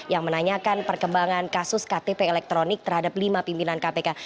yang menanyakan perkembangan kasus ktp elektronik terhadap lima pimpinan kpk